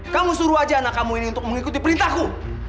kamu suruh aja anak kamu ini untuk mengikuti perintahku